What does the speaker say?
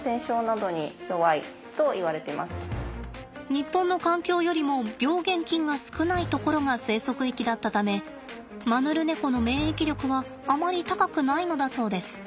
日本の環境よりも病原菌が少ない所が生息域だったためマヌルネコの免疫力はあまり高くないのだそうです。